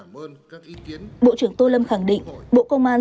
bộ trưởng tô lâm khẳng định